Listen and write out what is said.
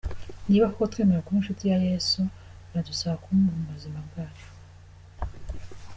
Niba koko twemera kuba inshuti na Yesu, biradusaba kumuha ubuzima bwacu.